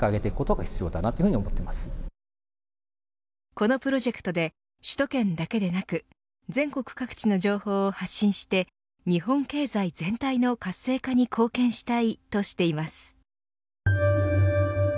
このプロジェクトで首都圏だけでなく全国各地の情報を発信して日本経済全体の活性化に貢献したいとしています。